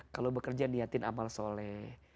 kalau bekerja niatin amal soleh